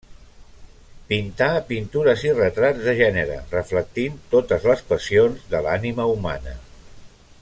Pintà pintures i retrats de gènere, reflectint totes les passions de l'ànima humana.